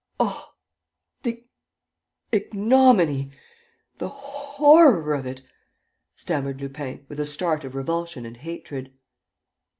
"Oh, the ignominy, the horror of it!" stammered Lupin, with a start of revulsion and hatred.